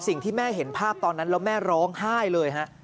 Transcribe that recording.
สิ่งที่แม่เห็นภาพตอนนั้นแล้วแม่ร้องไห้เลยฮะ